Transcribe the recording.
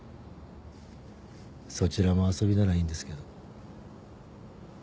そちらも遊びならいいんですけど。